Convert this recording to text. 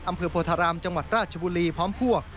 โพธารามจังหวัดราชบุรีพร้อมพวก